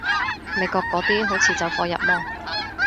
美國嗰啲好似走火入魔